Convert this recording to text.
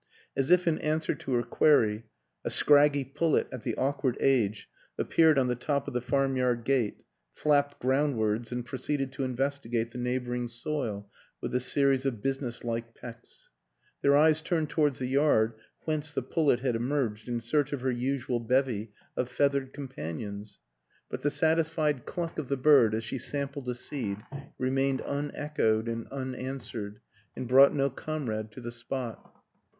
As if in answer to her query, a scraggy pullet at the awkward age appeared on the top of the farmyard gate, flapped ground wards and proceeded to investigate the neighbor ing soil with a series of businesslike pecks. Their eyes turned towards the yard whence the pullet had emerged in search of her usual bevy of feathered companions; but the satisfied cluck of WILLIAM AN ENGLISHMAN 67 the bird as she sampled a seed remained unechoed and unanswered and brought no comrade to the spot.